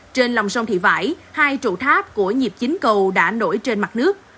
trên lòng sông thị vải hai trụ tháp của nhịp chính cầu đã nổi trên mặt nước